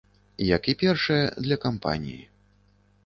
Як і першая, для кампаніі.